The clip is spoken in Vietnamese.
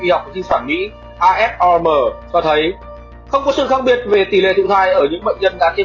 chính phẩm mỹ cho thấy không có sự khác biệt về tỷ lệ thụ thai ở những bệnh nhân đã kiêm